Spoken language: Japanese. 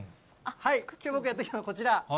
きょう、僕がやって来たのはこちら。